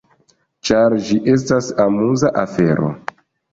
Ĉar ĝi estas amuza afero.